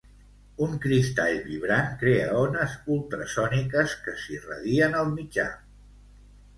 Un cristall vibrant crea ones ultrasòniques que s'irradien al mitjà.